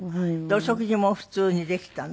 お食事も普通にできたの？